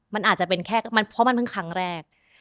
เพราะมันเพิ่งครั้งแรก